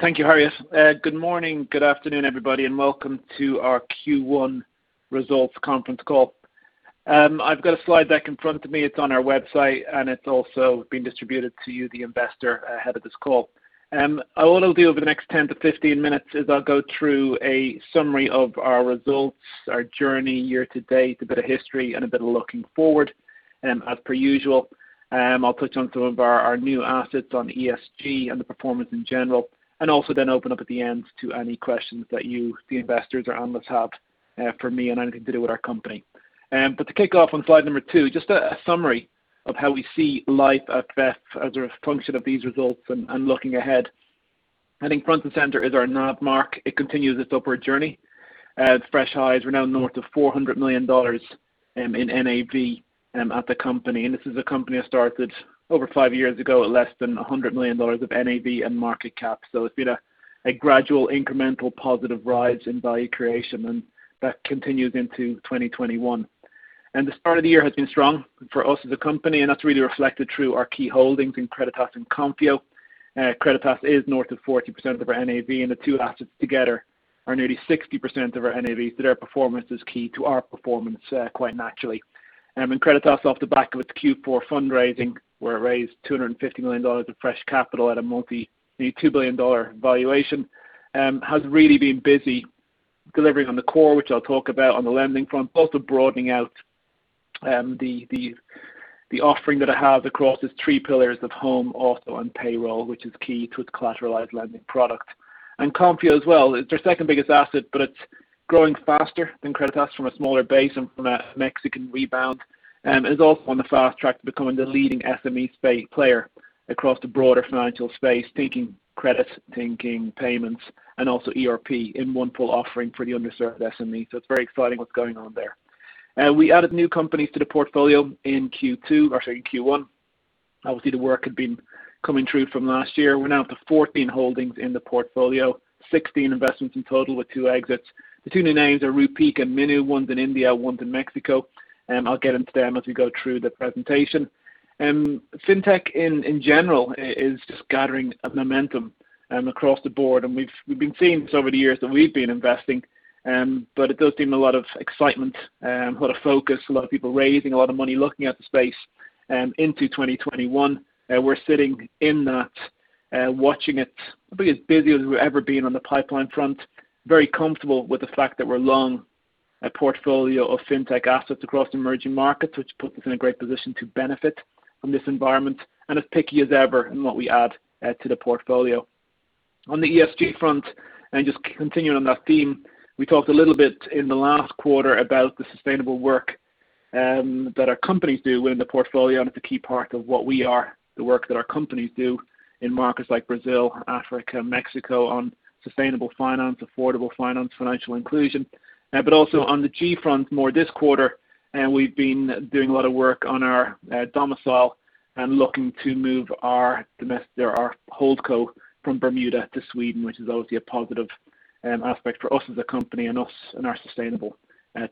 Thank you, Harriet. Good morning, good afternoon, everybody, and welcome to our Q1 results conference call. I've got a slide deck in front of me, it's on our website, and it's also been distributed to you, the investor, ahead of this call. What I'll do over the next 10-15 minutes is I'll go through a summary of our results, our journey year to date, a bit of history, and a bit of looking forward. As per usual, I'll touch on some of our new assets on ESG and the performance in general, and also then open up at the end to any questions that you, the investors or analysts have for me on anything to do with our company. To kick off on slide two, just a summary of how we see life at VEF as a function of these results and looking ahead. I think front and center is our NAV mark. It continues its upward journey. Fresh highs, we're now north of $400 million in NAV at the company. This is a company I started over five years ago at less than $100 million of NAV and market cap. It's been a gradual, incremental positive rise in value creation, and that continues into 2021. The start of the year has been strong for us as a company, and that's really reflected through our key holdings in Creditas and Konfío. Creditas is north of 40% of our NAV, and the two assets together are nearly 60% of our NAV. Their performance is key to our performance, quite naturally. Creditas, off the back of its Q4 fundraising, where it raised SEK 250 million of fresh capital at a multi nearly SEK 2 billion valuation, has really been busy delivering on the core, which I'll talk about on the lending front, but also broadening out the offering that it has across its three pillars of home, auto, and payroll, which is key to its collateralized lending product. Konfío as well. It's our second biggest asset, but it's growing faster than Creditas from a smaller base and from a Mexican rebound. It is also on the fast track to becoming the leading SME player across the broader financial space, thinking credit, thinking payments, and also ERP in one full offering for the underserved SME. It's very exciting what's going on there. We added new companies to the portfolio in Q2, or sorry, Q1. Obviously, the work had been coming through from last year. We're now up to 14 holdings in the portfolio, 16 investments in total with two exits. The two new names are Rupeek and Minu, one's in India, one's in Mexico. I'll get into them as we go through the presentation. Fintech, in general, is just gathering a momentum across the board, and we've been seeing this over the years that we've been investing. It does seem a lot of excitement, a lot of focus, a lot of people raising a lot of money looking at the space into 2021. We're sitting in that watching it. Probably as busy as we've ever been on the pipeline front. Very comfortable with the fact that we're long a portfolio of fintech assets across emerging markets, which puts us in a great position to benefit from this environment. As picky as ever in what we add to the portfolio. On the ESG front, just continuing on that theme, we talked a little bit in the last quarter about the sustainable work that our companies do within the portfolio, and it's a key part of what we are, the work that our companies do in markets like Brazil, Africa, Mexico, on sustainable finance, affordable finance, financial inclusion. Also on the G front more this quarter, we've been doing a lot of work on our domicile and looking to move our holdco from Bermuda to Sweden, which is obviously a positive aspect for us as a company and us and our sustainable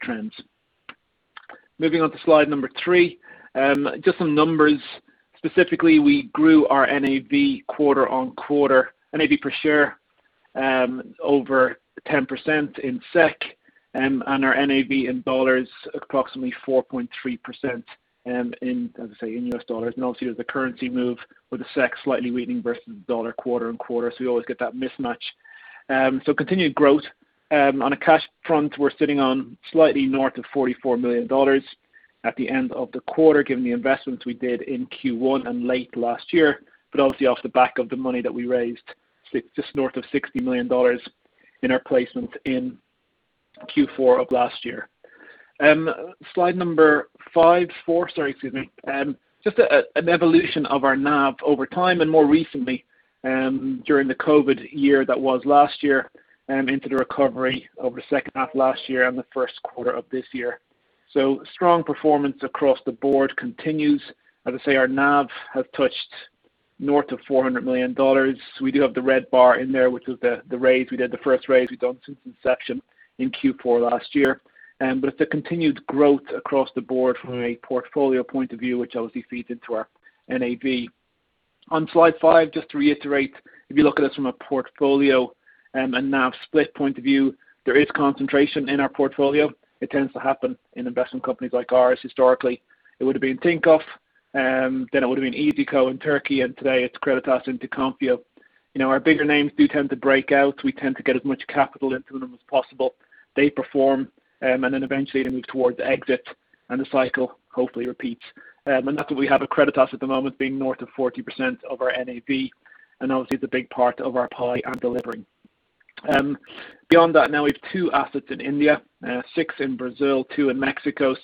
trends. Moving on to slide number three. Just some numbers. Specifically, we grew our NAV quarter-on-quarter, NAV per share over 10% in SEK, and our NAV in dollars approximately 4.3%, as I say, in US dollars. Obviously, there's a currency move with the SEK slightly weakening versus the dollar quarter-on-quarter. We always get that mismatch. Continued growth. On a cash front, we're sitting on slightly north of $44 million at the end of the quarter, given the investments we did in Q1 and late last year, but obviously off the back of the money that we raised, just north of $60 million in our placement in Q4 of last year. Slide number five, four, sorry. Excuse me. Just an evolution of our NAV over time and more recently, during the COVID year that was last year, into the recovery of the second half of last year and the first quarter of this year. Strong performance across the board continues. As I say, our NAV has touched north of $400 million. We do have the red bar in there, which was the raise we did, the first raise we've done since inception in Q4 last year. It's a continued growth across the board from a portfolio point of view, which obviously feeds into our NAV. On slide five, just to reiterate, if you look at us from a portfolio and NAV split point of view, there is concentration in our portfolio. It tends to happen in investment companies like ours historically. It would have been Tinkoff, then it would have been iyzico in Turkey. Today it's Creditas into Konfío. Our bigger names do tend to break out. We tend to get as much capital into them as possible. They perform. Then eventually they move towards exit. The cycle hopefully repeats. That's what we have at Creditas at the moment, being north of 40% of our NAV and obviously it's a big part of our pie and delivering. Beyond that, now we've two assets in India, six in Brazil, two in Mexico.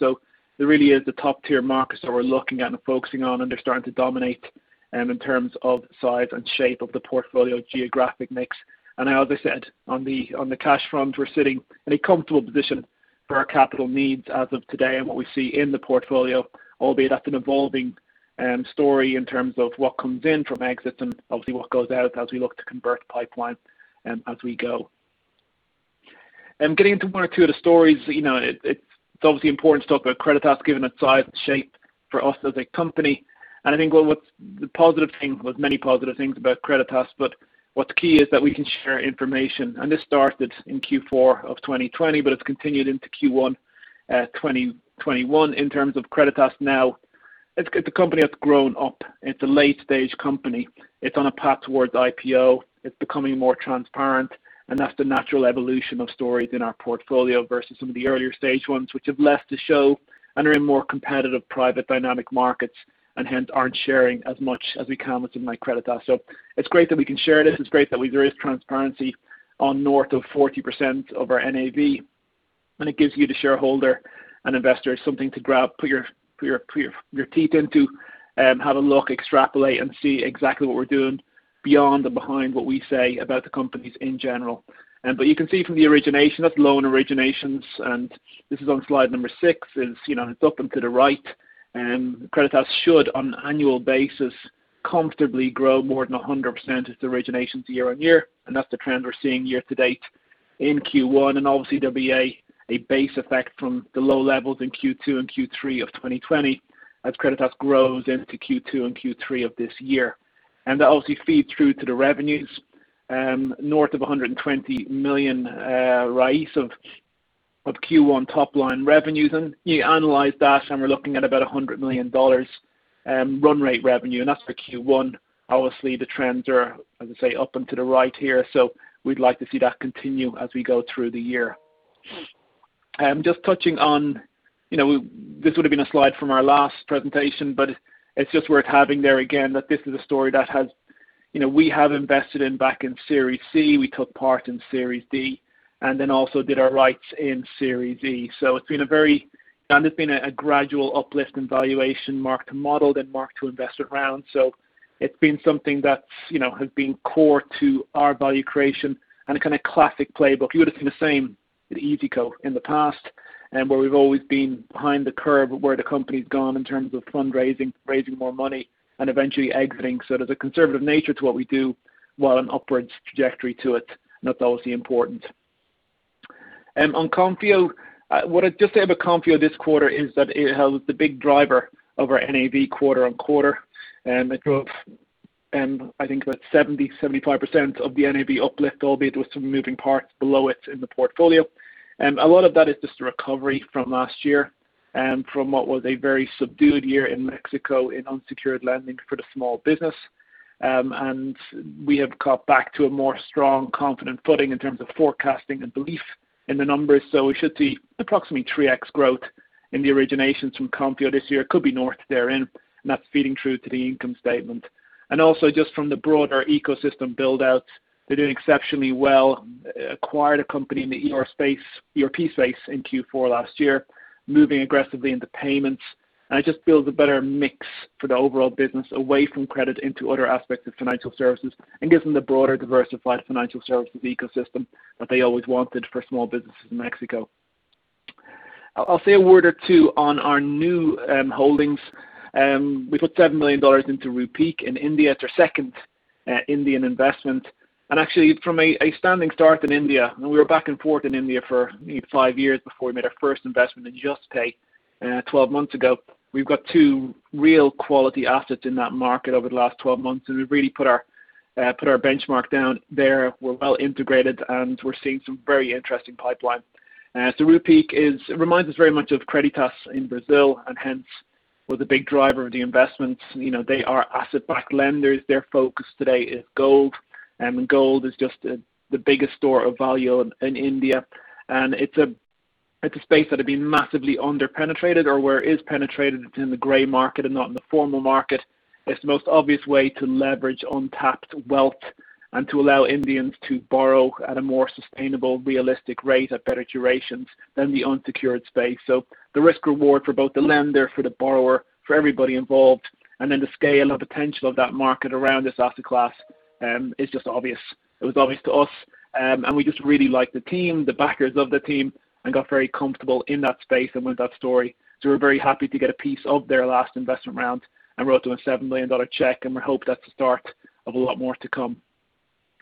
There really is the top tier markets that we're looking at and focusing on, and they're starting to dominate in terms of size and shape of the portfolio geographic mix. As I said, on the cash front, we're sitting in a comfortable position for our capital needs as of today and what we see in the portfolio, albeit that's an evolving story in terms of what comes in from exits and obviously what goes out as we look to convert pipeline as we go. Getting into one or two of the stories. It's obviously important to talk about Creditas given its size and shape for us as a company. I think one of the positive things, well there's many positive things about Creditas, but what's key is that we can share information. This started in Q4 of 2020, but it's continued into Q1 2021 in terms of Creditas. Now, it's a company that's grown up. It's a late-stage company. It's on a path towards IPO. It's becoming more transparent, and that's the natural evolution of stories in our portfolio versus some of the earlier stage ones, which have less to show and are in more competitive private dynamic markets and hence aren't sharing as much as we can with something like Creditas. It's great that we can share this. It's great that there is transparency on north of 40% of our NAV, and it gives you, the shareholder and investor, something to grab, put your teeth into, have a look, extrapolate, and see exactly what we're doing beyond and behind what we say about the companies in general. You can see from the origination, that's loan originations, and this is on slide number six. It's up and to the right. Creditas should, on an annual basis, comfortably grow more than 100% its originations year-on-year, and that's the trend we're seeing year to date in Q1. Obviously, there'll be a base effect from the low levels in Q2 and Q3 of 2020 as Creditas grows into Q2 and Q3 of this year. That obviously feeds through to the revenues north of 120 million of Q1 top-line revenues. You analyze that, and we're looking at about SEK 100 million run rate revenue, and that's for Q1. Obviously, the trends are, as I say, up and to the right here, so we'd like to see that continue as we go through the year. Just touching on, this would've been a slide from our last presentation, but it's just worth having there again that this is a story that we have invested in back in Series C. We took part in Series D and then also did our rights in Series E. There's been a gradual uplift in valuation mark to model then mark to investor round. It's been something that has been core to our value creation and a kind of classic playbook. You would've seen the same with iyzico in the past, and where we've always been behind the curve of where the company's gone in terms of fundraising, raising more money, and eventually exiting. There's a conservative nature to what we do while an upwards trajectory to it, and that's obviously important. On Konfío, what I'd just say about Konfío this quarter is that it was the big driver of our NAV quarter-over-quarter. It drove, I think, about 70%, 75% of the NAV uplift, albeit with some moving parts below it in the portfolio. A lot of that is just a recovery from last year, from what was a very subdued year in Mexico in unsecured lending for the small business. We have got back to a more strong, confident footing in terms of forecasting and belief in the numbers. We should see approximately 3x growth in the originations from Konfío this year. It could be north therein, and that's feeding through to the income statement. Also just from the broader ecosystem build-out, they're doing exceptionally well. Acquired a company in the ERP space in Q4 last year, moving aggressively into payments. It just builds a better mix for the overall business away from credit into other aspects of financial services and gives them the broader diversified financial services ecosystem that they always wanted for small businesses in Mexico. I'll say a word or two on our new holdings. We put $7 million into Rupeek in India. It's our second Indian investment. Actually, from a standing start in India, we were back and forth in India for five years before we made our first investment in Juspay 12 months ago. We've got two real quality assets in that market over the last 12 months, we've really put our benchmark down there. We're well integrated, we're seeing some very interesting pipeline. Rupeek reminds us very much of Creditas in Brazil and hence was a big driver of the investment. They are asset-backed lenders. Their focus today is gold, and gold is just the biggest store of value in India. It's a space that had been massively under-penetrated, or where it is penetrated, it's in the gray market and not in the formal market. It's the most obvious way to leverage untapped wealth and to allow Indians to borrow at a more sustainable, realistic rate at better durations than the unsecured space. The risk-reward for both the lender, for the borrower, for everybody involved, the scale and potential of that market around this asset class is just obvious. It was obvious to us, we just really liked the team, the backers of the team, got very comfortable in that space and with that story. We're very happy to get a piece of their last investment round, wrote them a $7 million check, and we hope that's the start of a lot more to come.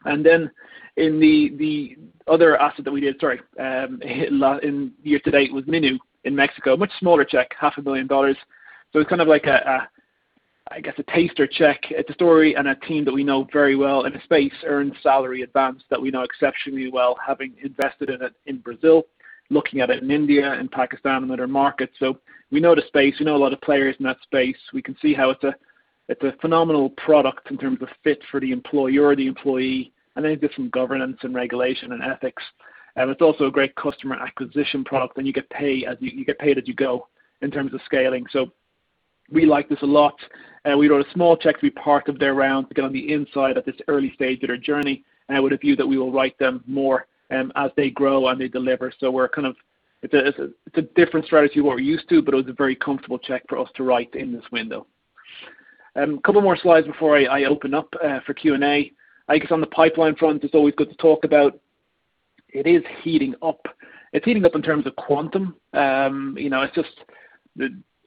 In the other asset that we did, sorry, year to date, was Minu in Mexico. A much smaller check, half a million dollars. It's kind of like, I guess, a taster check. It's a story and a team that we know very well in a space, earned salary advance, that we know exceptionally well, having invested in it in Brazil, looking at it in India and Pakistan and other markets. We know the space. We know a lot of players in that space. We can see how it's a phenomenal product in terms of fit for the employer or the employee, different governance and regulation and ethics. It's also a great customer acquisition product, you get paid as you go in terms of scaling. We like this a lot. We wrote a small check to be part of their round to get on the inside at this early stage of their journey, I would view that we will write them more as they grow and they deliver. It's a different strategy to what we're used to, it was a very comfortable check for us to write in this window. A couple more slides before I open up for Q&A. I guess on the pipeline front, it's always good to talk about. It is heating up. It's heating up in terms of quantum.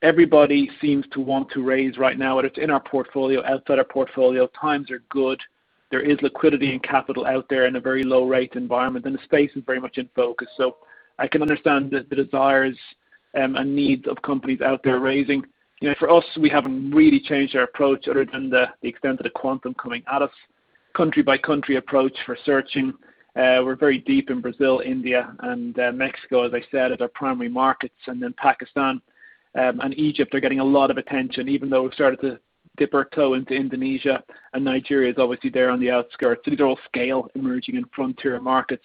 Everybody seems to want to raise right now, whether it's in our portfolio, outside our portfolio. Times are good. There is liquidity and capital out there in a very low-rate environment, the space is very much in focus. I can understand the desires and needs of companies out there raising. For us, we haven't really changed our approach other than the extent of the quantum coming at us. Country by country approach for searching. We're very deep in Brazil, India, and Mexico, as I said, are their primary markets. Pakistan and Egypt are getting a lot of attention. Even though we've started to dip our toe into Indonesia, and Nigeria is obviously there on the outskirts. These are all scale emerging and frontier markets.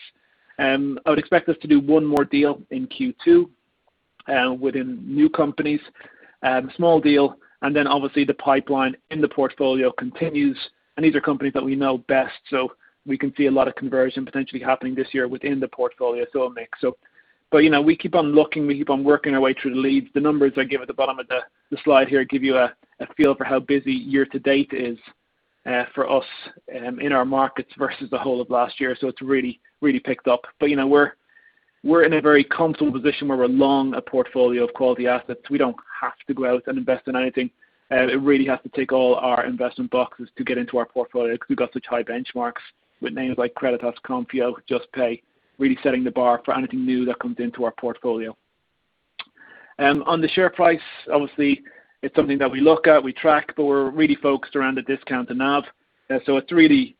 I would expect us to do one more deal in Q2 within new companies, a small deal, and then obviously the pipeline in the portfolio continues, and these are companies that we know best, so we can see a lot of conversion potentially happening this year within the portfolio. A mix. We keep on looking, we keep on working our way through the leads. The numbers I give at the bottom of the slide here give you a feel for how busy year-to-date is for us in our markets versus the whole of last year. It's really picked up. We're in a very comfortable position where we're long a portfolio of quality assets. We don't have to go out and invest in anything. It really has to tick all our investment boxes to get into our portfolio because we've got such high benchmarks with names like Creditas, Konfío, Juspay, really setting the bar for anything new that comes into our portfolio. On the share price, obviously, it's something that we look at, we track, but we're really focused around the discount to NAV. It's really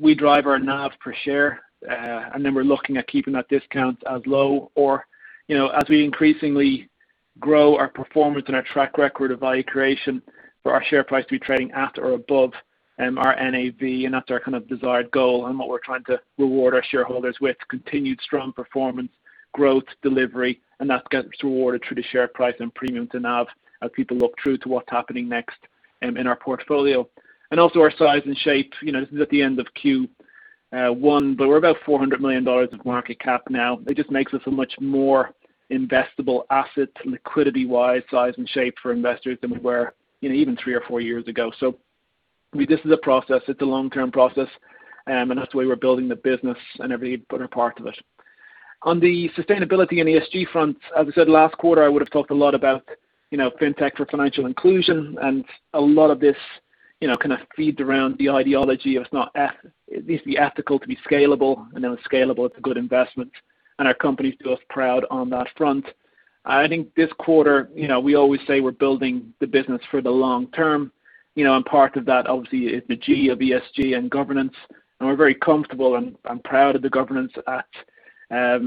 we drive our NAV per share, and then we're looking at keeping that discount as low, or as we increasingly grow our performance and our track record of value creation for our share price to be trading at or above our NAV, and that's our kind of desired goal and what we're trying to reward our shareholders with. Continued strong performance, growth, delivery, and that gets rewarded through the share price and premium to NAV as people look through to what's happening next in our portfolio. Also our size and shape. This is at the end of Q1, but we're about $400 million of market cap now. It just makes us a much more investable asset liquidity-wise, size, and shape for investors than we were even three or four years ago. This is a process, it's a long-term process, and that's the way we're building the business and every other part of it. On the sustainability and ESG front, as I said last quarter, I would have talked a lot about fintech for financial inclusion and a lot of this kind of feeds around the ideology of it needs to be ethical to be scalable and then it's scalable, it's a good investment, and our companies do us proud on that front. I think this quarter, we always say we're building the business for the long term, and part of that obviously is the G of ESG and governance, and we're very comfortable and proud of the governance at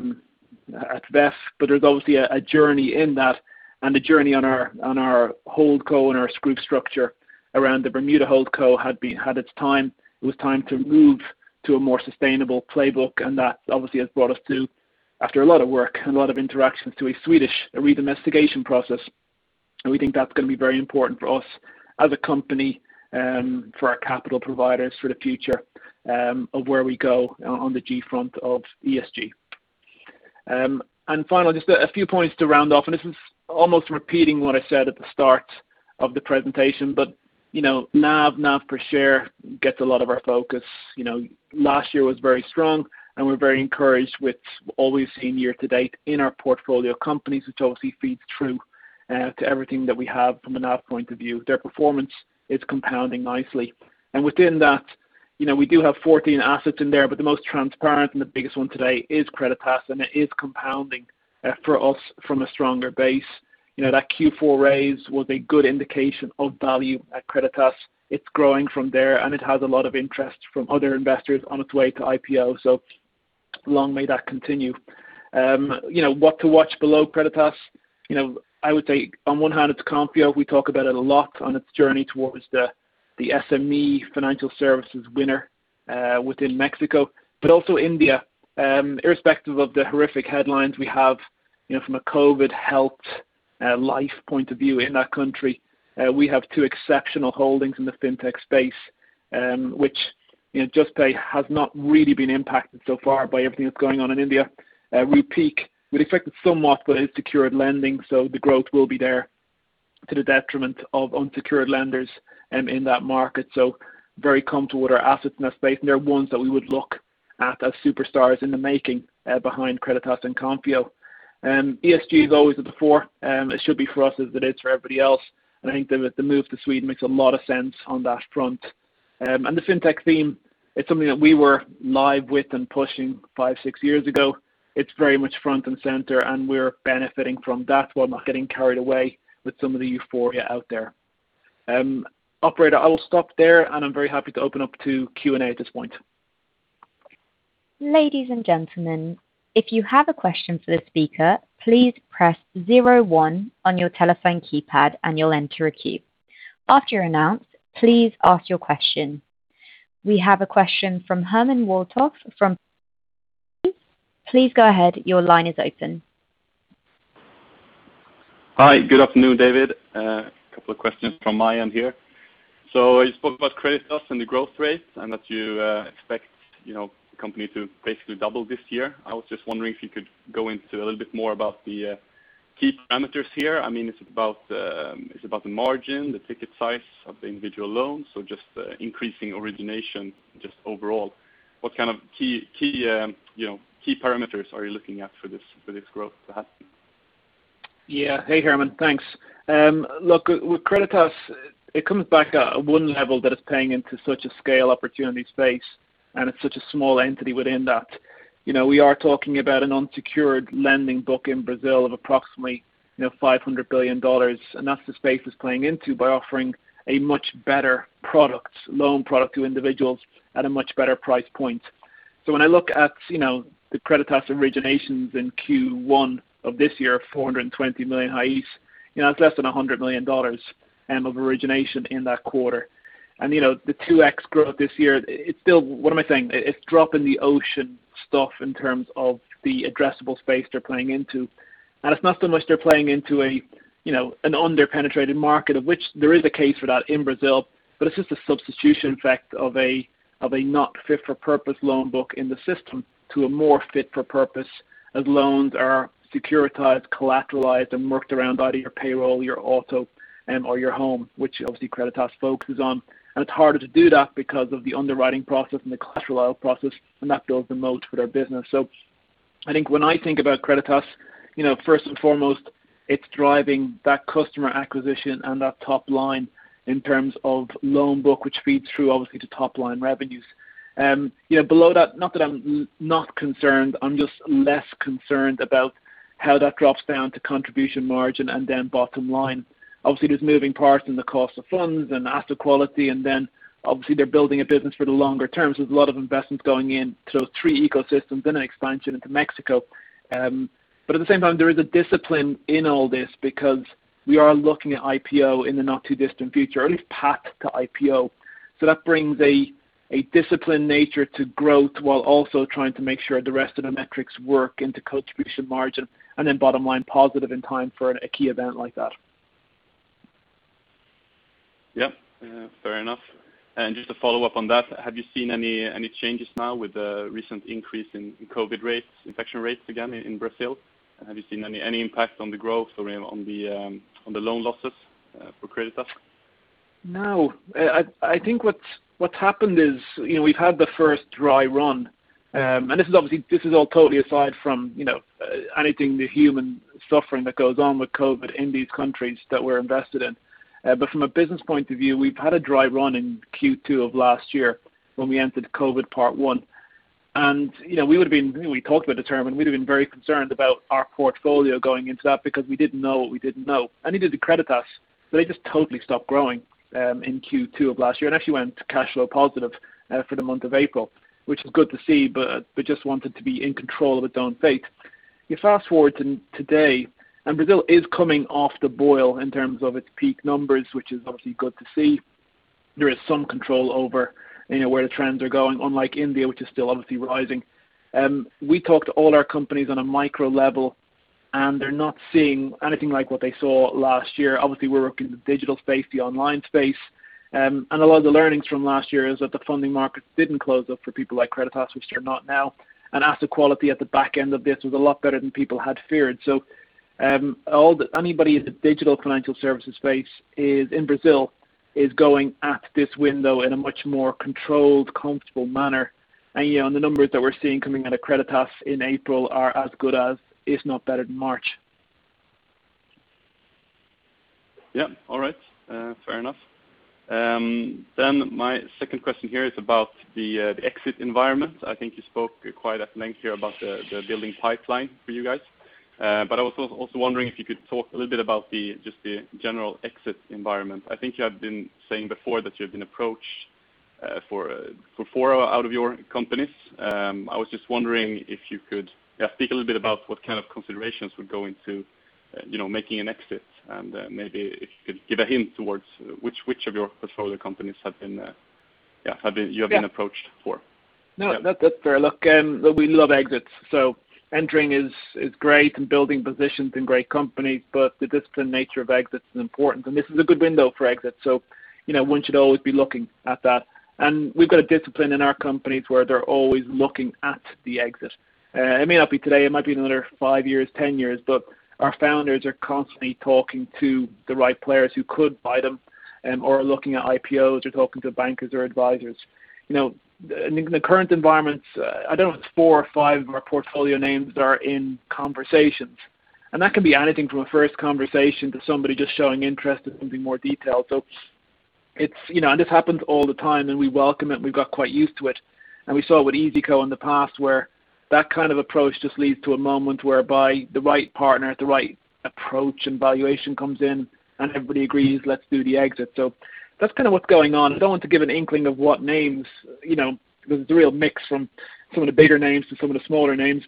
VEF. There's obviously a journey in that and a journey on our holdco and our group structure around the Bermuda holdco had its time. It was time to move to a more sustainable playbook, that obviously has brought us to, after a lot of work and a lot of interactions, to a Swedish redomestication process. We think that's going to be very important for us as a company, for our capital providers, for the future of where we go on the G front of ESG. Finally, just a few points to round off, this is almost repeating what I said at the start of the presentation, NAV per share gets a lot of our focus. Last year was very strong, we're very encouraged with what we've seen year to date in our portfolio companies, which obviously feeds through to everything that we have from a NAV point of view. Their performance is compounding nicely. Within that, we do have 14 assets in there, but the most transparent and the biggest one today is Creditas, and it is compounding for us from a stronger base. That Q4 raise was a good indication of value at Creditas. It's growing from there, and it has a lot of interest from other investors on its way to IPO. Long may that continue. What to watch below Creditas? I would say on one hand, it's Konfío. We talk about it a lot on its journey towards the SME financial services winner within Mexico. Also India, irrespective of the horrific headlines we have from a COVID health life point of view in that country, we have two exceptional holdings in the fintech space, which Juspay has not really been impacted so far by everything that's going on in India. Rupeek, we're affected somewhat, but it is secured lending. The growth will be there to the detriment of unsecured lenders in that market. Very comfortable with our assets in that space, and they're ones that we would look at as superstars in the making behind Creditas and Konfío. ESG is always at the fore. It should be for us as it is for everybody else. I think that the move to Sweden makes a lot of sense on that front. The fintech theme, it's something that we were live with and pushing five, six years ago. It's very much front and center, and we're benefiting from that while not getting carried away with some of the euphoria out there. Operator, I will stop there and I'm very happy to open up to Q&A at this point. Ladies and gentlemen, if you have a question for the speaker, please press zero one on your telephone keypad and you'll enter a queue. After you're announced, please ask your question. We have a question from Herman Waltop from . Please go ahead. Your line is open. Hi, good afternoon, David. A couple of questions from my end here. You spoke about Creditas and the growth rates and that you expect the company to basically double this year. I was just wondering if you could go into a little bit more about the key parameters here. I mean, is it about the margin, the ticket size of the individual loans, so just increasing origination just overall? What kind of key parameters are you looking at for this growth to happen? Hey, Herman. Thanks. Look, with Creditas, it comes back at one level that it's playing into such a scale opportunity space, and it's such a small entity within that. We are talking about an unsecured lending book in Brazil of approximately $500 billion. That's the space it's playing into by offering a much better loan product to individuals at a much better price point. When I look at the Creditas originations in Q1 of this year, 420 million BRL, that's less than $100 million of origination in that quarter. The 2X growth this year, what am I saying? It's drop in the ocean stuff in terms of the addressable space they're playing into. It's not so much they're playing into an under-penetrated market, of which there is a case for that in Brazil, but it's just a substitution effect of a not fit for purpose loan book in the system to a more fit for purpose as loans are securitized, collateralized, and worked around either your payroll, your auto, or your home, which obviously Creditas focuses on. It's harder to do that because of the underwriting process and the collateral process, and that builds the moat for their business. I think when I think about Creditas, first and foremost, it's driving that customer acquisition and that top line in terms of loan book, which feeds through obviously to top-line revenues. Below that, not that I'm not concerned, I'm just less concerned about how that drops down to contribution margin and then bottom line. Obviously, there's moving parts in the cost of funds and asset quality, and then obviously they're building a business for the longer term, so there's a lot of investments going in to those three ecosystems and an expansion into Mexico. At the same time, there is a discipline in all this because we are looking at IPO in the not too distant future, or at least path to IPO. That brings a disciplined nature to growth while also trying to make sure the rest of the metrics work into contribution margin, and then bottom line positive in time for a key event like that. Yeah. Fair enough. Just to follow up on that, have you seen any changes now with the recent increase in COVID infection rates again in Brazil? Have you seen any impact on the growth or on the loan losses for Creditas? No. I think what's happened is we've had the first dry run, and this is all totally aside from anything, the human suffering that goes on with COVID in these countries that we're invested in. From a business point of view, we've had a dry run in Q2 of last year when we entered COVID part one. We talked about this, Herman. We'd have been very concerned about our portfolio going into that because we didn't know what we didn't know. Neither did Creditas, so they just totally stopped growing in Q2 of last year and actually went cash flow positive for the month of April, which is good to see, but just wanted to be in control of its own fate. You fast-forward to today, and Brazil is coming off the boil in terms of its peak numbers, which is obviously good to see. There is some control over where the trends are going, unlike India, which is still obviously rising. We talk to all our companies on a micro level, they're not seeing anything like what they saw last year. Obviously, we're working in the digital space, the online space. A lot of the learnings from last year is that the funding markets didn't close up for people like Creditas, which they're not now. Asset quality at the back end of this was a lot better than people had feared. Anybody in the digital financial services space in Brazil is going at this window in a much more controlled, comfortable manner. The numbers that we're seeing coming out of Creditas in April are as good as, if not better than March. Yeah. All right. Fair enough. My second question here is about the exit environment. I think you spoke quite at length here about the building pipeline for you guys. I was also wondering if you could talk a little bit about just the general exit environment. I think you have been saying before that you've been approached for four out of your companies. I was just wondering if you could speak a little bit about what kind of considerations would go into making an exit, and maybe if you could give a hint towards which of your portfolio companies you have been approached for. No, that's fair. Look, we love exits. Entering is great and building positions in great companies. The disciplined nature of exits is important. This is a good window for exits. One should always be looking at that. We've got a discipline in our companies where they're always looking at the exit. It may not be today, it might be another five years, 10 years. Our founders are constantly talking to the right players who could buy them or are looking at IPOs or talking to bankers or advisors. In the current environment, I don't know if it's four or five of our portfolio names that are in conversations. That can be anything from a first conversation to somebody just showing interest in something more detailed. This happens all the time. We welcome it. We've got quite used to it. We saw it with iyzico in the past where that kind of approach just leads to a moment whereby the right partner, the right approach and valuation comes in, and everybody agrees, let's do the exit. That's kind of what's going on. I don't want to give an inkling of what names, because it's a real mix from some of the bigger names to some of the smaller names.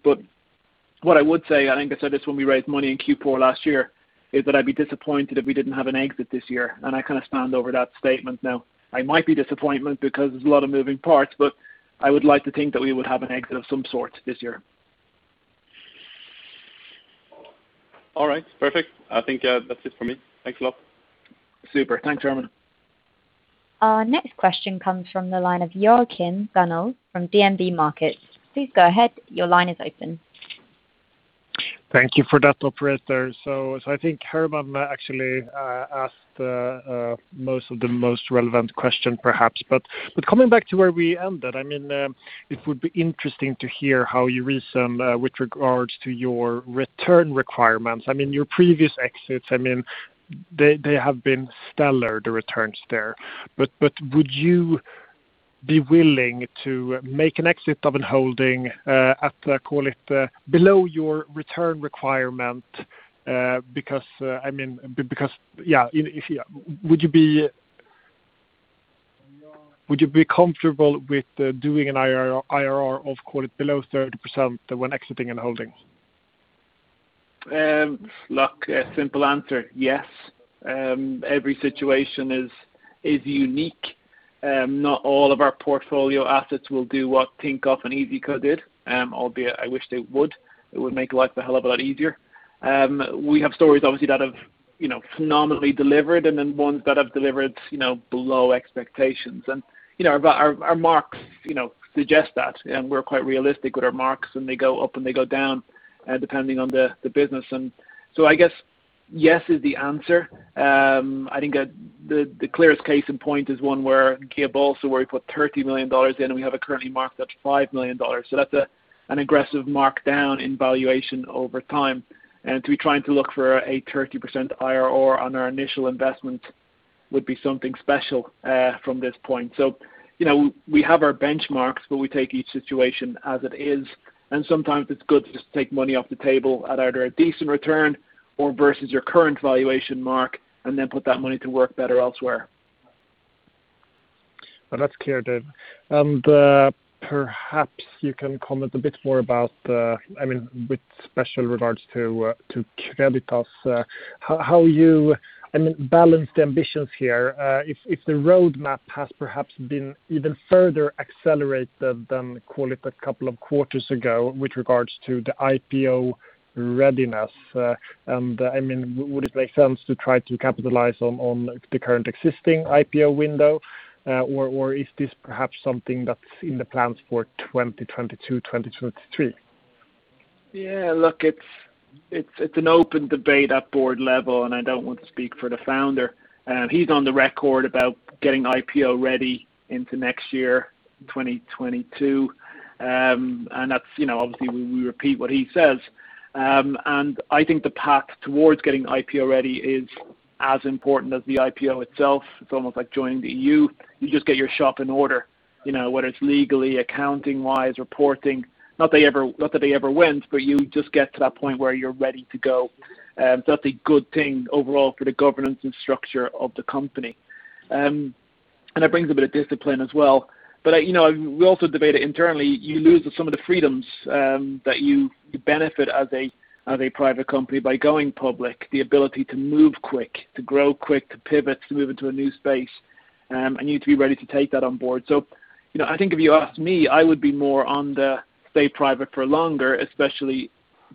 What I would say, I think I said this when we raised money in Q4 last year, is that I'd be disappointed if we didn't have an exit this year, and I kind of stand over that statement now. I might be disappointed because there's a lot of moving parts, but I would like to think that we would have an exit of some sort this year. All right. Perfect. I think that's it for me. Thanks a lot. Super. Thanks, Herman. Our next question comes from the line of Joachim Gunell from DNB Markets. Please go ahead. Your line is open. Thank you for that, operator. I think Herman actually asked most of the most relevant question perhaps. Coming back to where we ended, it would be interesting to hear how you reason with regards to your return requirements. Your previous exits, they have been stellar, the returns there. Would you be willing to make an exit of a holding at, call it, below your return requirement? Would you be comfortable with doing an IRR of below 30% when exiting a holding? Look, a simple answer, yes. Every situation is unique. Not all of our portfolio assets will do what Tinkoff and iyzico did, albeit I wish they would. It would make life a hell of a lot easier. We have stories, obviously, that have phenomenally delivered, and then ones that have delivered below expectations. Our marks suggest that, and we're quite realistic with our marks, and they go up and they go down depending on the business. I guess, yes is the answer. I think the clearest case in point is one where, Guiabolso, where we put $30 million in and we have it currently marked at $5 million. That's an aggressive markdown in valuation over time. To be trying to look for a 30% IRR on our initial investment would be something special from this point. We have our benchmarks, but we take each situation as it is, and sometimes it's good to just take money off the table at either a decent return or versus your current valuation mark, and then put that money to work better elsewhere. Well, that's clear, David. Perhaps you can comment a bit more about with special regards to Creditas how you balance the ambitions here. If the roadmap has perhaps been even further accelerated than, call it, a couple of quarters ago with regards to the IPO readiness. Would it make sense to try to capitalize on the current existing IPO window? Is this perhaps something that's in the plans for 2022, 2023? Yeah, look, it's an open debate at board level. I don't want to speak for the founder. He's on the record about getting IPO ready into next year, 2022. Obviously, we repeat what he says. I think the path towards getting IPO ready is as important as the IPO itself. It's almost like joining the EU. You just get your shop in order, whether it's legally, accounting-wise, reporting, not that they ever went. You just get to that point where you're ready to go. That's a good thing overall for the governance and structure of the company. It brings a bit of discipline as well. We also debate it internally. You lose some of the freedoms that you benefit as a private company by going public, the ability to move quick, to grow quick, to pivot, to move into a new space, and you need to be ready to take that on board. I think if you asked me, I would be more on the stay private for longer, especially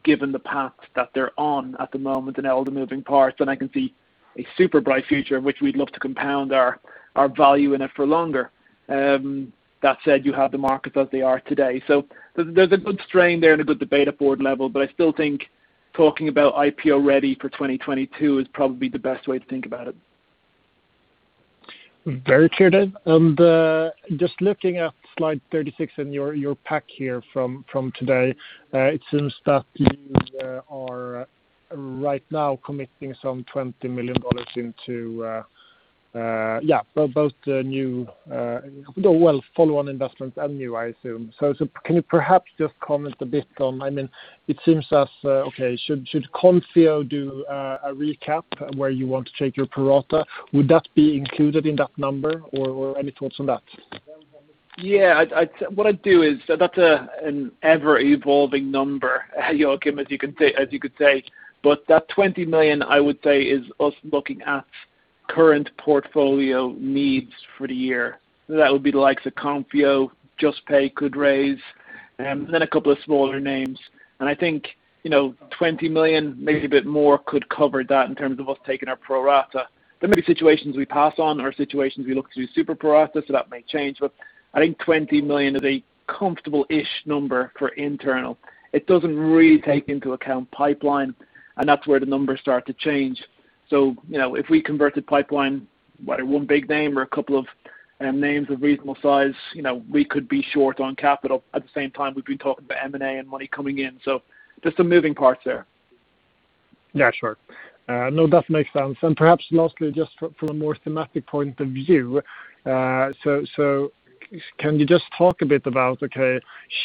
given the path that they're on at the moment and all the moving parts, and I can see a super bright future in which we'd love to compound our value in it for longer. That said, you have the markets as they are today. There's a good strain there and a good debate at board level, but I still think talking about IPO ready for 2022 is probably the best way to think about it. Very clear, David. Just looking at slide 36 in your pack here from today, it seems that you are right now committing some $20 million into, both the new, well, follow-on investments and new, I assume. Can you perhaps just comment a bit on, it seems as, okay, should Konfío do a recap where you want to take your pro rata? Would that be included in that number? Any thoughts on that? What I do is, that's an ever-evolving number, Joachim, as you could say. That $20 million, I would say, is us looking at current portfolio needs for the year. That would be the likes of Konfío, Juspay could raise, then a couple of smaller names. I think $20 million, maybe a bit more, could cover that in terms of us taking our pro rata. There may be situations we pass on or situations we look to do super pro rata. That may change. I think $20 million is a comfortable-ish number for internal. It doesn't really take into account pipeline. That's where the numbers start to change. If we converted pipeline, one big name or a couple of names of reasonable size, we could be short on capital. At the same time, we'd be talking about M&A and money coming in. Just some moving parts there. Yeah, sure. No, that makes sense. Perhaps lastly, just from a more thematic point of view, can you just talk a bit about, okay,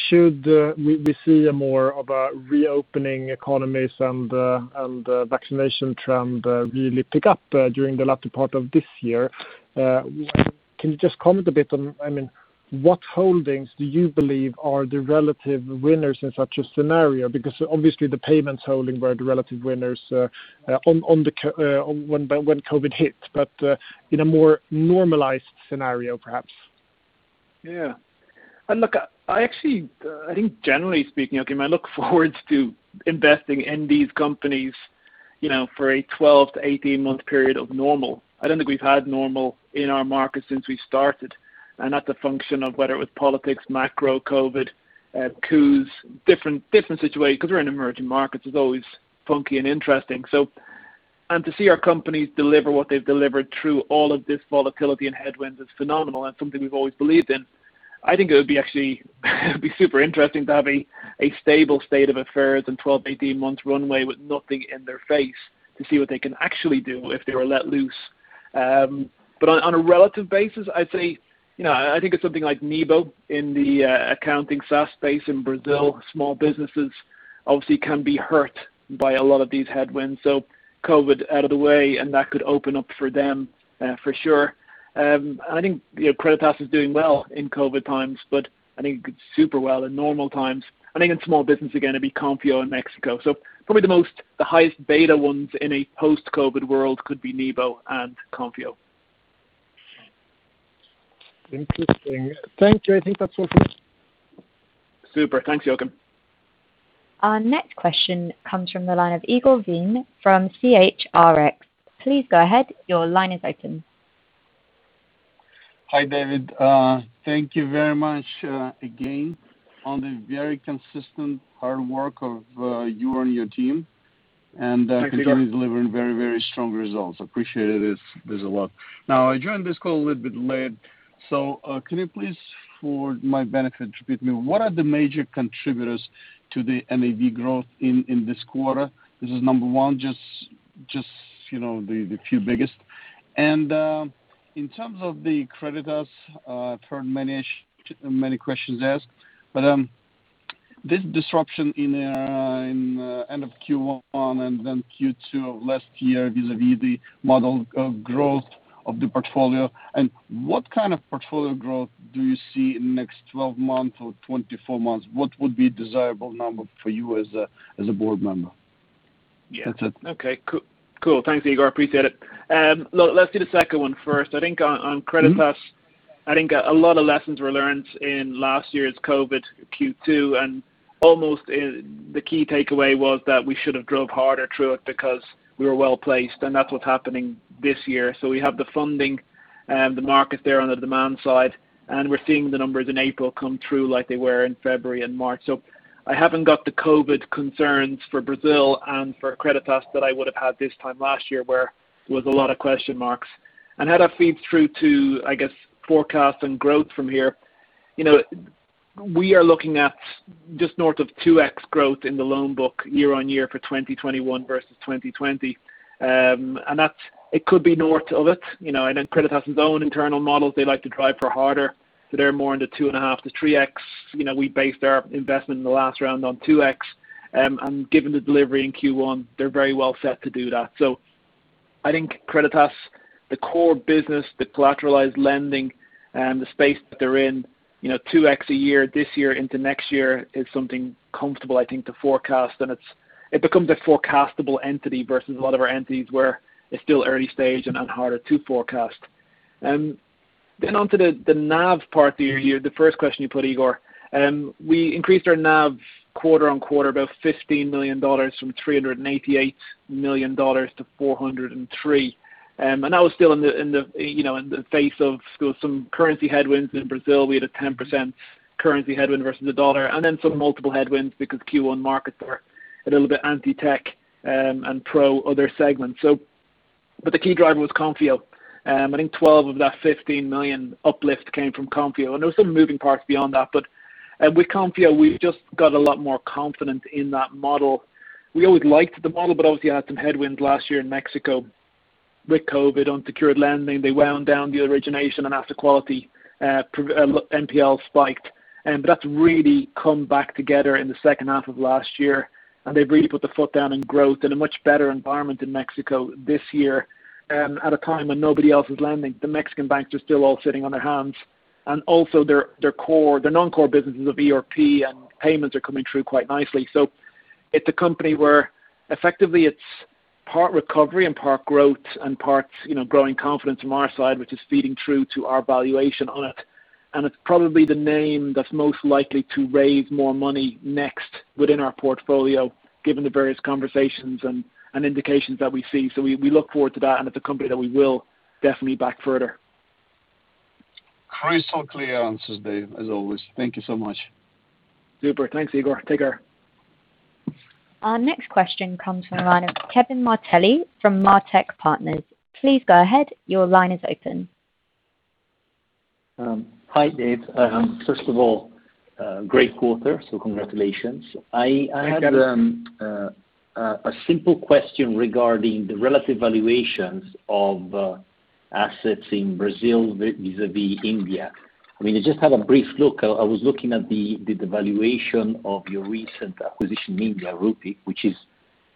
should we see a more of a reopening economies and vaccination trend really pick up during the latter part of this year? Can you just comment a bit on what holdings do you believe are the relative winners in such a scenario? Because obviously the payments holding were the relative winners when COVID hit. In a more normalized scenario, perhaps. Yeah. Look, I think generally speaking, Joachim, I look forwards to investing in these companies for a 12 to 18 month period of normal. I don't think we've had normal in our market since we started. That's a function of whether it was politics, macro, COVID, coups, different situations because we're in emerging markets, it's always funky and interesting. To see our companies deliver what they've delivered through all of this volatility and headwinds is phenomenal and something we've always believed in. I think it would be super interesting to have a stable state of affairs and 12, 18 months runway with nothing in their face to see what they can actually do if they were let loose. On a relative basis, I'd say I think it's something like Nibo in the accounting SaaS space in Brazil. Small businesses obviously can be hurt by a lot of these headwinds. COVID out of the way, and that could open up for them for sure. I think Creditas is doing well in COVID times, I think super well in normal times. I think in small business, they're going to be Konfío in Mexico. Probably the highest beta ones in a post-COVID world could be Nibo and Konfío. Interesting. Thank you. I think that's all for me. Super. Thanks, Joachim. Our next question comes from the line of Igor Vinn from CHRX. Please go ahead. Your line is open. Hi, David. Thank you very much again on the very consistent hard work of you and your team. Thanks, Igor. Continuing delivering very strong results. Appreciate it. There's a lot. I joined this call a little bit late. Can you please, for my benefit, repeat me what are the major contributors to the NAV growth in this quarter? This is number one, just the few biggest. In terms of the Creditas, I've heard many questions asked. This disruption in end of Q1 and then Q2 of last year vis-a-vis the model growth of the portfolio and what kind of portfolio growth do you see in the next 12 months or 24 months? What would be a desirable number for you as a board member? That's it. Yeah. Okay, cool. Thanks, Igor. Appreciate it. Let's do the second one first. I think on Creditas- I think a lot of lessons were learned in last year's COVID Q2, and almost the key takeaway was that we should have drove harder through it because we were well-placed, and that's what's happening this year. We have the funding, the market there on the demand side, and we're seeing the numbers in April come through like they were in February and March. I haven't got the COVID concerns for Brazil and for Creditas that I would have had this time last year where was a lot of question marks. How that feeds through to, I guess, forecast and growth from here, we are looking at just north of 2x growth in the loan book year on year for 2021 versus 2020. It could be north of it. Creditas has its own internal models they like to drive for harder, so they're more into 2.5x to 3x. We based our investment in the last round on 2x. Given the delivery in Q1, they're very well set to do that. I think Creditas, the core business, the collateralized lending and the space that they're in, 2x a year this year into next year is something comfortable, I think, to forecast, and it becomes a forecastable entity versus a lot of our entities where it's still early stage and harder to forecast. Onto the NAV part of your first question you put, Igor. We increased our NAV quarter on quarter about $15 million, from $388 million to $403 million. That was still in the face of some currency headwinds in Brazil. We had a 10% currency headwind versus the dollar, and then some multiple headwinds because Q1 markets were a little bit anti-tech and pro other segments. The key driver was Konfío. I think 12 of that $15 million uplift came from Konfío. There were some moving parts beyond that. With Konfío, we've just got a lot more confidence in that model. We always liked the model, but obviously had some headwinds last year in Mexico with COVID, unsecured lending. They wound down the origination and asset quality NPL spiked. That's really come back together in the second half of last year, and they've really put the foot down in growth in a much better environment in Mexico this year at a time when nobody else is lending. The Mexican banks are still all sitting on their hands. Also, their non-core businesses of ERP and payments are coming through quite nicely. It's a company where effectively it's part recovery and part growth and part growing confidence from our side, which is feeding through to our valuation on it. It's probably the name that's most likely to raise more money next within our portfolio, given the various conversations and indications that we see. We look forward to that, and it's a company that we will definitely back further. Crystal clear answers, Dave, as always. Thank you so much. Super. Thanks, Igor. Take care. Our next question comes from the line of Kevin Martelli from Martek Partners. Please go ahead. Your line is open. Hi, Dave. First of all, great quarter, so congratulations. I had a simple question regarding the relative valuations of assets in Brazil vis-a-vis India. I just had a brief look. I was looking at the valuation of your recent acquisition in India, Rupeek, which is,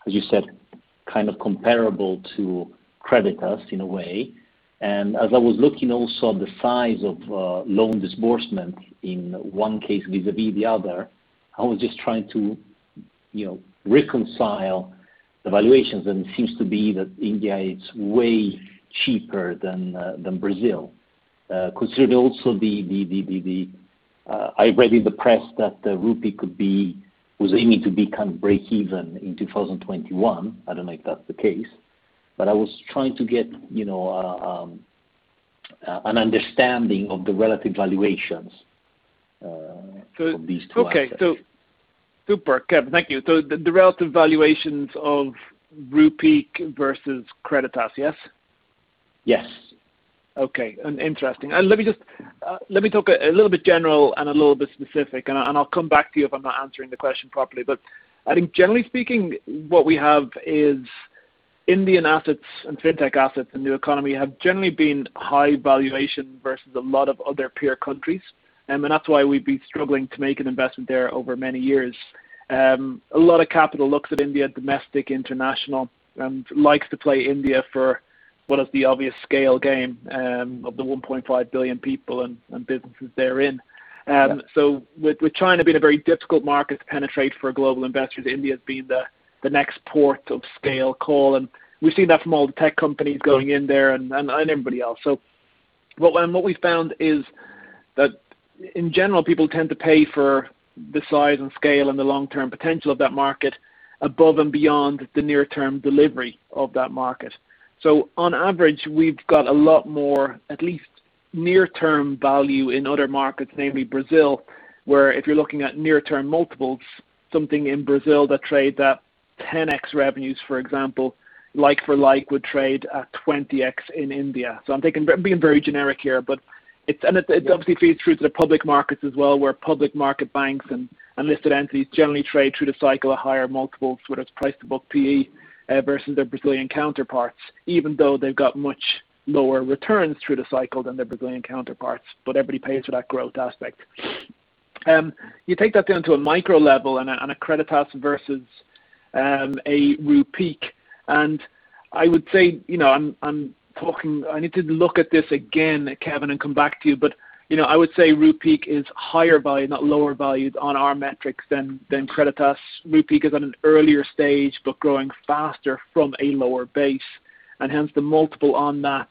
as you said, kind of comparable to Creditas in a way. As I was looking also at the size of loan disbursement in one case vis-a-vis the other, I was just trying to reconcile the valuations, and it seems to be that India is way cheaper than Brazil. Considering also I read in the press that Rupeek was aiming to become breakeven in 2021. I don't know if that's the case, but I was trying to get an understanding of the relative valuations of these two assets. Okay. Super, Kevin. Thank you. The relative valuations of Rupeek versus Creditas, yes? Yes. Okay. Interesting. Let me talk a little bit general and a little bit specific, and I'll come back to you if I'm not answering the question properly. I think generally speaking, what we have is Indian assets and fintech assets in the economy have generally been high valuation versus a lot of other peer countries. That's why we've been struggling to make an investment there over many years. A lot of capital looks at India, domestic, international, and likes to play India for what is the obvious scale game of the 1.5 billion people and businesses therein. Yeah. With China being a very difficult market to penetrate for global investors, India's been the next port of scale call, and we've seen that from all the tech companies going in there and everybody else. What we've found is that in general, people tend to pay for the size and scale and the long-term potential of that market above and beyond the near-term delivery of that market. On average, we've got a lot more, at least near term, value in other markets, namely Brazil, where if you're looking at near-term multiples, something in Brazil that trade at 10x revenues, for example, like for like, would trade at 20x in India. I'm being very generic here, and it obviously feeds through to the public markets as well, where public market banks and listed entities generally trade through the cycle at higher multiples, whether it's price to book PE versus their Brazilian counterparts, even though they've got much lower returns through the cycle than their Brazilian counterparts. Everybody pays for that growth aspect. You take that down to a micro level on a Creditas versus a Rupeek, and I would say, I need to look at this again, Kevin, and come back to you. I would say Rupeek is higher value, not lower valued on our metrics than Creditas. Rupeek is at an earlier stage, but growing faster from a lower base, and hence the multiple on that,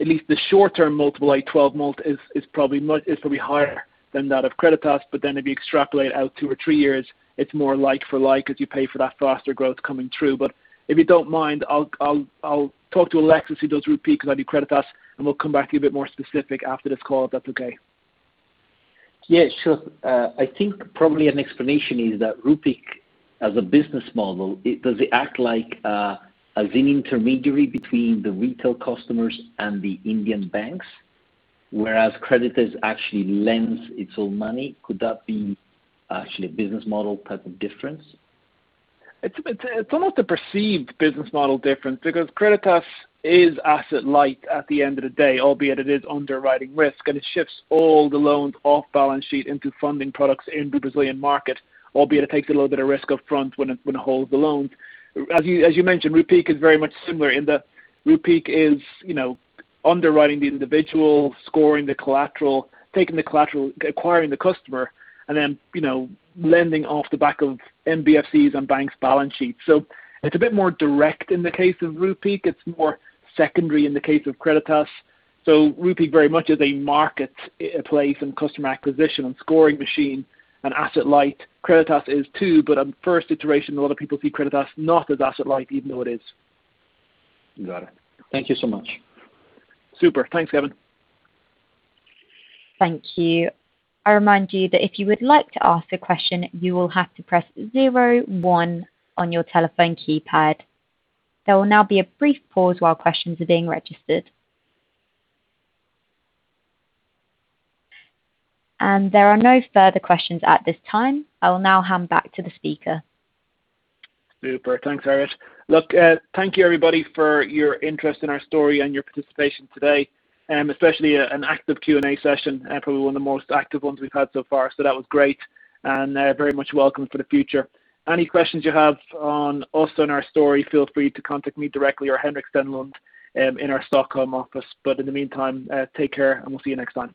at least the short-term multiple, like 12-month is probably higher than that of Creditas. If you extrapolate out two or three years, it's more like for like, as you pay for that faster growth coming through. If you don't mind, I'll talk to Alex who does Rupeek because I do Creditas, and we'll come back to you a bit more specific after this call, if that's okay? Sure. I think probably an explanation is that Rupeek as a business model, does it act like as an intermediary between the retail customers and the Indian banks, whereas Creditas actually lends its own money? Could that be actually a business model type of difference? It's almost a perceived business model difference because Creditas is asset light at the end of the day, albeit it is underwriting risk, and it shifts all the loans off balance sheet into funding products in the Brazilian market, albeit it takes a little bit of risk up front when it holds the loans. As you mentioned, Rupeek is very much similar in that Rupeek is underwriting the individual, scoring the collateral, taking the collateral, acquiring the customer, and then lending off the back of NBFCs and banks' balance sheets. It's a bit more direct in the case of Rupeek. It's more secondary in the case of Creditas. Rupeek very much is a marketplace and customer acquisition and scoring machine and asset light. Creditas is too, but on first iteration, a lot of people see Creditas not as asset light, even though it is. Got it. Thank you so much. Super. Thanks, Kevin. Thank you. I remind you that if you would like to ask a question, you will have to press zero one on your telephone keypad. There will now be a brief pause while questions are being registered. There are no further questions at this time. I will now hand back to the speaker. Super. Thanks, Iris. Look, thank you everybody for your interest in our story and your participation today, especially an active Q&A session, probably one of the most active ones we've had so far. That was great and very much welcome for the future. Any questions you have on us and our story, feel free to contact me directly or Henrik Stenlund in our Stockholm office. In the meantime, take care, and we'll see you next time.